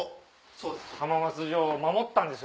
・そうです